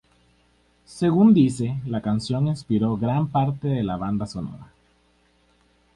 Según dice, la canción inspiró gran parte de la banda sonora.